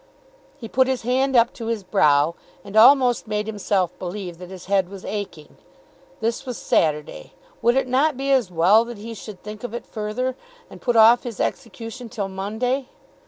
He put his hand up to his brow, and almost made himself believe that his head was aching. This was Saturday. Would it not be well that he should think of it further, and put off his execution till Monday?